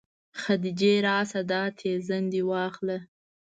خديجې راسه دا تيزن دې واخله.